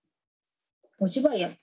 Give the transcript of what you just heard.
お芝居やん。